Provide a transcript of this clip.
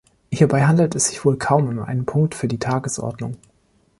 Hierbei handelt es sich wohl kaum um einen Punkt für die Tagesordnung.